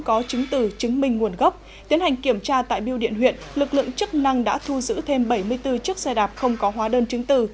có chứng tử chứng minh nguồn gốc tiến hành kiểm tra tại biêu điện huyện lực lượng chức năng đã thu giữ thêm bảy mươi bốn chiếc xe đạp không có hóa đơn chứng từ